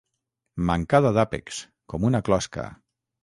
Mancada d'àpex, com una closca.